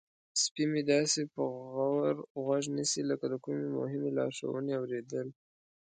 سپی مې داسې په غور غوږ نیسي لکه د کومې مهمې لارښوونې اوریدل.